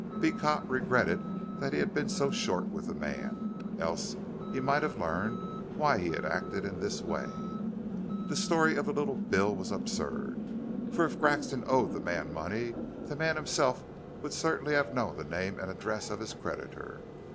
Beecot regretted that he had been so short with the man, else he might have learned why he had acted in this way. The story of the little bill was absurd, for if Grexon owed the man money the man himself would certainly have known the name and address of his creditor.